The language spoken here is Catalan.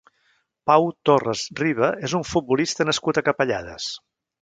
Pau Torres Riba és un futbolista nascut a Capellades.